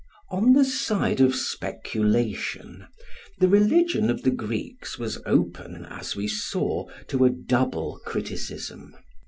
On the side of speculation, the religion of the Greeks was open, as we saw, to a double criticism.